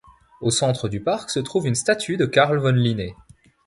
Au centre du parc se trouve une statue de Carl von Linné.